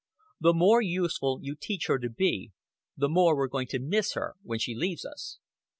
The more useful you teach her to be, the more we're going to miss her when she leaves us."